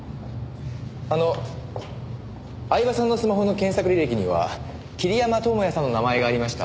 あの饗庭さんのスマホの検索履歴には桐山友哉さんの名前がありました。